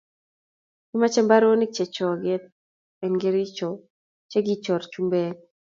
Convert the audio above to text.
Kimache mbaronik che choket en kericho che kichor chumbek